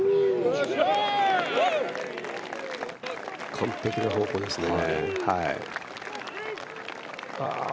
完璧な方向ですね。